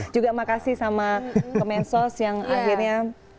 juga makasih sama kemensos yang akhirnya